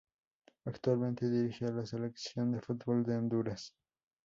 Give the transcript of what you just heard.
Actualmente dirige a la Selección de fútbol de Honduras.